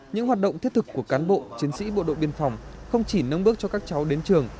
những hoạt động thiết thực của cán bộ chiến sĩ bộ đội biên phòng không chỉ nâng bức cho các cháu đến trường